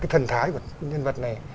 thần thái của nhân vật này